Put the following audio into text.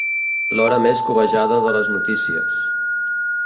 L'hora més cobejada de les notícies.